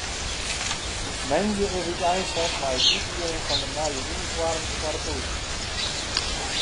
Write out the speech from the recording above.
Moandei is úteinset mei it útdielen fan de nije unifoarms foar de polysje.